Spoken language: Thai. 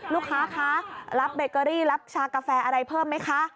ลูกค้าคะรับเบเกอรี่รับชากาแฟอะไรเพิ่มไหมคะ